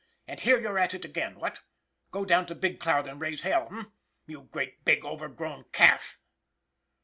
And here you're at it again, what? Go down to Big Cloud and raise hell, eh? You great, big overgrown calf!"